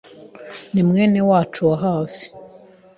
ni mwene wacu wa hafi.